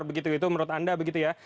begitu itu menurut anda begitu ya